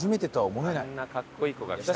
あんなかっこいい子が来たら。